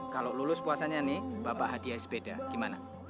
kalau lulus puasanya nih bapak hadiah sepeda gimana